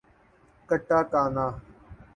katakana